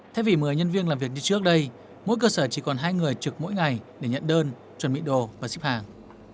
thay vì một mươi nhân viên làm việc như trước đây mỗi cơ sở chỉ còn hai người trực mỗi ngày để nhận đơn chuẩn bị đồ và xếp hàng